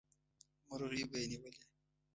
مرغۍ به یې نیولې.